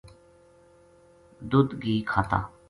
دودھ گھی کھاتا